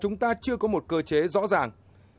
chúng ta chưa có một cơ chế rõ ràng